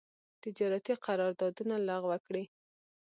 تجارتي قرارداونه لغو کړي.